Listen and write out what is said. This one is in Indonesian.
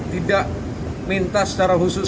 tidak minta secara khusus